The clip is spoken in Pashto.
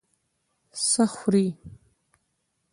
څه خوړې؟